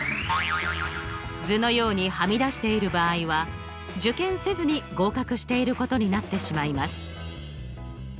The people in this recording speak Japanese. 図のようにはみ出している場合は受験せずに合格していることになってしまいます。